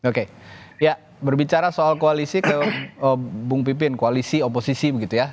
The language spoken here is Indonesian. oke ya berbicara soal koalisi ke bung pipin koalisi oposisi begitu ya